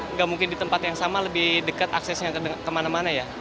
nggak mungkin di tempat yang sama lebih dekat aksesnya kemana mana ya